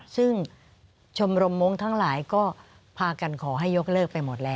ซึ่งชมรมมงค์ทั้งหลายก็พากันขอให้ยกเลิกไปหมดแล้ว